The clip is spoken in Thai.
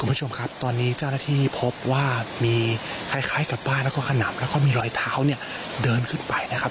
คุณผู้ชมครับตอนนี้เจ้าหน้าที่พบว่ามีคล้ายกับป้ายแล้วก็ขนำแล้วก็มีรอยเท้าเนี่ยเดินขึ้นไปนะครับ